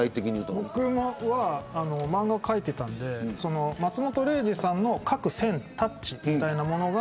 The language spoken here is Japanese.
僕は漫画を描いていたので松本零士さんの描く線のタッチみたいなものが